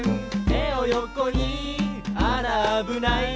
「てをよこにあらあぶない」